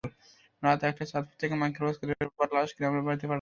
রাত একটায় চাঁদপুর থেকে মাইক্রোবাসে করে রোববার লাশ গ্রামের বাড়িতে পাঠানো হয়।